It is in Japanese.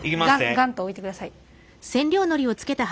ガンッと置いてください。